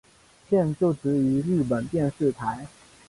现就职于日本电视台。